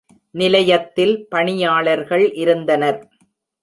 நிலையத்தில் பணியாளர்கள் இருந்தனர்.